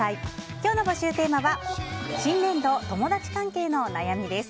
今日の募集テーマは新年度友達関係の悩みです。